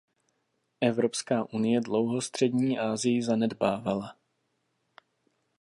Evropská unie dlouho Střední Asii zanedbávala.